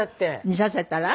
見させたら？